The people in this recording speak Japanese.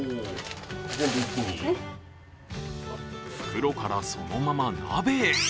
袋からそのまま鍋へ。